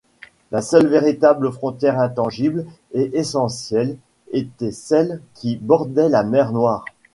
Sa seule véritable frontière, intangible et essentielle, était celle qui bordait la mer Noire.